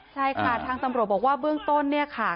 ใช่ค่ะทางตำรวจบอกว่าเบื้องต้นเนี่ยค่ะ